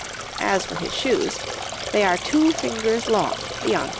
As for his shoes, they are two fingers long beyond his toes.